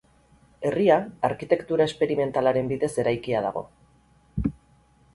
Herria arkitektura esperimentalaren bidez eraikia dago.